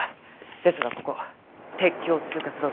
ですがここ鉄橋を通過する音が。